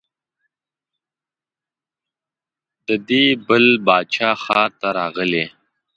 د دې بل باچا ښار ته راغلې.